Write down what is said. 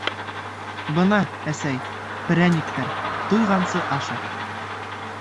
— Бына, әсәй, перәниктәр, туйғансы аша.